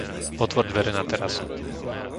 Otvor dvere na terasu.